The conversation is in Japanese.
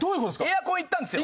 エアコンいったんですよ。